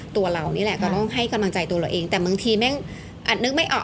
ตัวเรานี่แหละก็ต้องให้กำลังใจตัวเราเองแต่บางทีแม่งอาจนึกไม่ออก